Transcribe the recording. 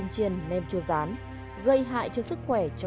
chả cá đây chả cá kia